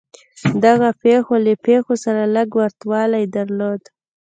دغو پېښو له پېښو سره لږ ورته والی درلود.